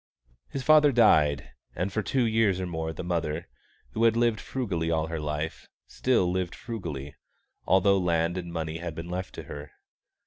His father died; and for two years or more the mother, who had lived frugally all her life, still lived frugally, although land and money had been left to her.